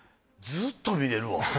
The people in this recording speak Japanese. ずっと見れるわ。